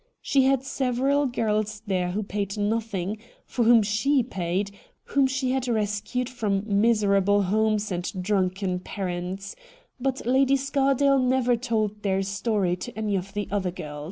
She had several girls there who paid nothing — for whom she paid — whom she had rescued from miserable homes and drunken parents ; but Lady Scardale never told their story to any of the other girls.